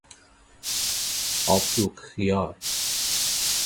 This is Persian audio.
آبدوغ خیار